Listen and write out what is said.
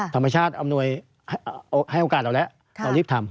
ธรรมชาติอำนวยให้โอกาสเราแล้วเรารีบทำ